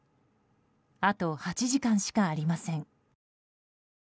あと８時間しかありません。